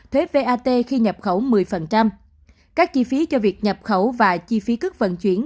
thuế vat khi nhập khẩu một mươi các chi phí cho việc nhập khẩu và chi phí cước vận chuyển